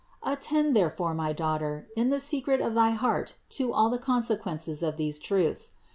143. Attend, therefore, my daughter, in the secret of thy heart to all the consequences of these truths.